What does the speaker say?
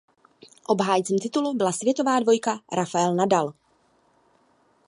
Obhájcem titulu byla světová dvojka Rafael Nadal.